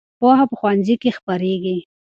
پوهه په ښوونځي کې خپرېږي.